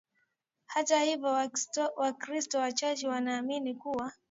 Hata hivyo Wakristo wachache wanaamini kuwa